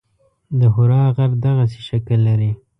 د حرا غر دغسې شکل لري.